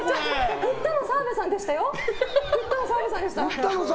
振ったのは澤部さんでしたよ？